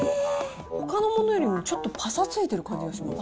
ほかのものよりも、ちょっとぱさついてる感じがします。